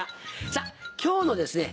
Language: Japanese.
さぁ今日のですね